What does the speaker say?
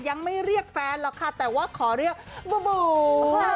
ยังไม่เรียกแฟนหรอกค่ะแต่ว่าขอเรียกบูบู